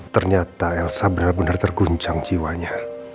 ternyata elsa benar benar terguncang jiwanya